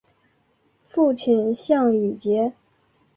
父亲向以节。